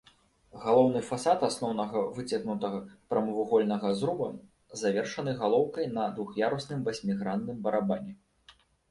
Галоўны фасад асноўнага выцягнутага прамавугольнага зруба завершаны галоўкай на двух'ярусным васьмігранным барабане.